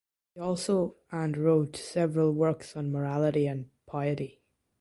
He also and wrote several works on morality and piety.